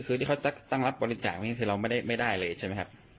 คือที่เขาตั้งรับบริจาคนี้คือเราไม่ได้เลยใช่ไหมครับ